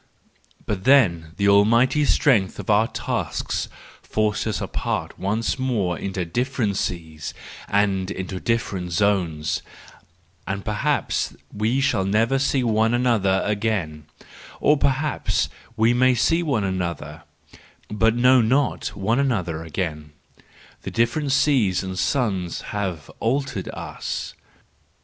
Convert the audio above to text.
But then the almighty strength of our tasks forced us apart once more into different seas and into different zones, and perhaps we shall never see one another again,—or perhaps we may see one another, but not know one another again; the different seas and suns have altered us